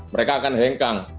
mereka akan hengkang